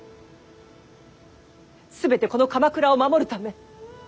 全てこの鎌倉を守るため。